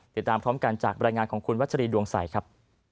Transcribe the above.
ติดตามพร้อมกันจากบรรยายงานของคุณวัชรีดวงใสครับ